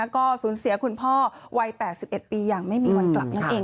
ก็สูญเสียคุณพ่อวัย๘๑ปีอย่างไม่มีวันกลับนั่นเอง